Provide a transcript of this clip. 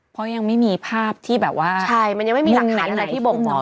เพราะยังไม่มีภาพที่แบบว่าใช่มันยังไม่มีหลักฐานอะไรที่บ่งบอก